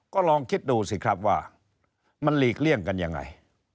ก็ลองคิดดูสิครับว่ามันหลีกเลี่ยงกันยังไง